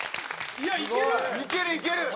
いけるいける！